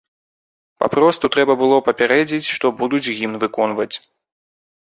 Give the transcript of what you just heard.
Папросту трэба было папярэдзіць, што будуць гімн выконваць.